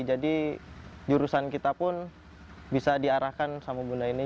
jadi jurusan kita pun bisa diarahkan sama bunda ini